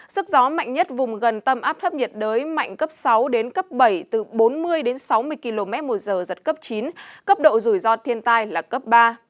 sức gió mạnh nhất vùng gần tâm áp thấp nhiệt đới mạnh cấp sáu đến cấp bảy từ bốn mươi đến sáu mươi km một giờ giật cấp chín cấp độ rủi ro thiên tai là cấp ba